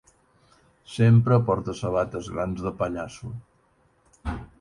Sempre porta sabates grans de pallasso.